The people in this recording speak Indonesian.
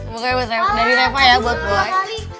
mukanya dari reva ya buat boy